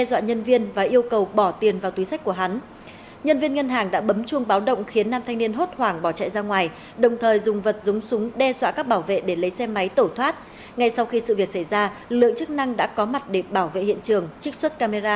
các bạn hãy đăng ký kênh để ủng hộ kênh của chúng mình nhé